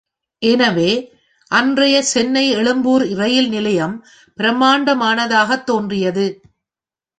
எனவே, அன்றையச் சென்னை எழும்பூர் இரயில் நிலையம் பிரம்மாண்டமானதாகத் தோன்றியது.